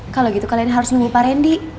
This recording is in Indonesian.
kalau gitu kalian harus nunggu pak randy